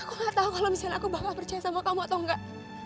aku nggak tahu kalau misalnya aku bapak percaya sama kamu atau enggak